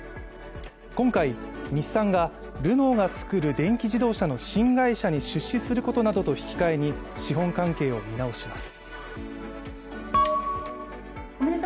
今回、日産がルノーが作る電気自動車の新会社に出資することなどと引き換えに資本関係を見直します。